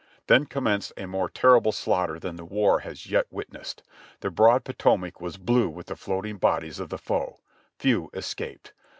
Then commenced a more terrible slaughter than the war has yet wit nessed. The broad Potomac was blue with the floating bodies of the foe. Few escaped.